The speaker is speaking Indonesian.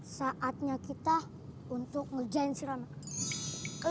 saatnya kita untuk ngerjain si ramadhan